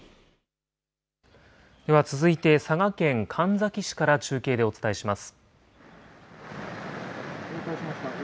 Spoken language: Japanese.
では続いて佐賀県神埼市から中継でお伝えします。